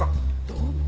どうも。